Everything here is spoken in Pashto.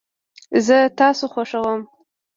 زه تاسو خوښوم